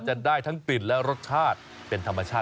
มีกลิ่นหอมกว่า